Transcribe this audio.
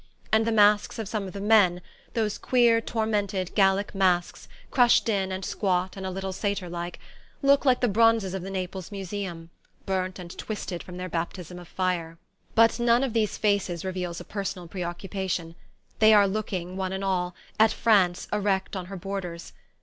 And the masks of some of the men those queer tormented Gallic masks, crushed in and squat and a little satyr like look like the bronzes of the Naples Museum, burnt and twisted from their baptism of fire. But none of these faces reveals a personal preoccupation: they are looking, one and all, at France erect on her borders.